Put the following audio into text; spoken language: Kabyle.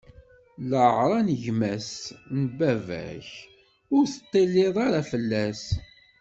Leɛra n gma-s n baba-k, ur teṭṭilliḍ ara fell-as.